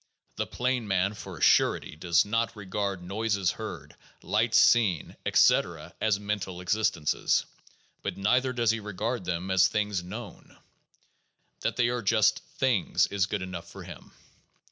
The plain man, for a surety, does not regard noises heard, lights seen, etc., as mental existences ; but neither does he regard them as things known. That they are just things is good enough for him.